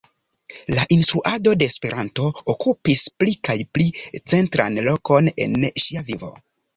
La instruado de Esperanto okupis pli kaj pli centran lokon en ŝia vivo.